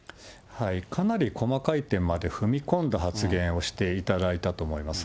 かなり細かい点まで踏み込んだ発言をしていただいたと思います。